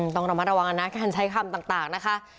ต้องระมัดระวังนะการใช้คำต่างนะคะ